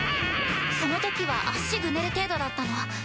そのときは足ぐねる程度だったの。